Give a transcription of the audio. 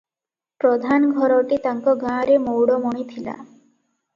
ପ୍ରଧାନ ଘରଟି ତା'ଙ୍କ ଗାଁରେ ମଉଡ଼ମଣି ଥିଲା ।